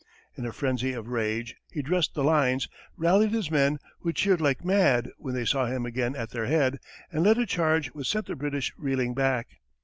In a frenzy of rage, he dressed the lines, rallied his men, who cheered like mad when they saw him again at their head, and led a charge which sent the British reeling back.